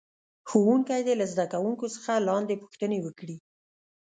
ښوونکی دې له زده کوونکو څخه لاندې پوښتنې وکړي.